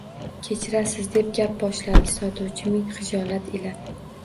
Kechirasiz, deb gap boshladi sotuvchi ming xijolat ila